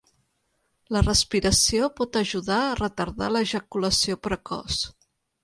La respiració pot ajudar a retardar l'ejaculació precoç.